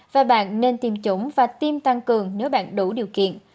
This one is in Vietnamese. và bạn nên tiêm chủng và tiêm tăng cường nếu bạn đủ điều kiện